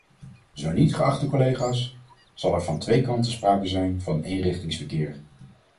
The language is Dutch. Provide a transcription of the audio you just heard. Zo niet, geachte collega’s, zal er van twee kanten sprake zijn van eenrichtingsverkeer.